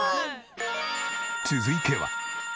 続いては。